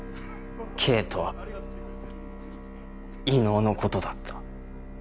「Ｋ」とは伊能のことだった。